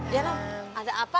ya non ada apa